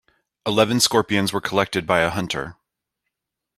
Eleven scorpions were collected by a hunter.